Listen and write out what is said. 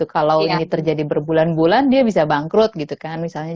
kalau ini terjadi berbulan bulan dia bisa bangkrut jadi ini kondisi sulit banget buat semua orang